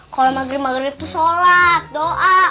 kalau maghrib maghrib itu sholat doa